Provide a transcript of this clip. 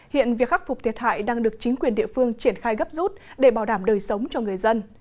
hiện việc khắc phục thiệt hại đang được chính quyền địa phương triển khai gấp rút để bảo đảm đời sống cho người dân